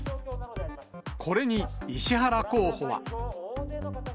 これに石原候補は。